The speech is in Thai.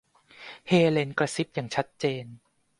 เฮเลนกระซิบอย่างชัดเจน